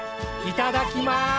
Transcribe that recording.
いただきます！